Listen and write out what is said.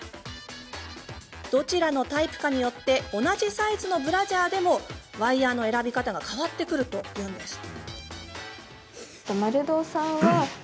どちらのタイプかによって同じサイズのブラジャーでもワイヤーの選び方が変わってくるといいます。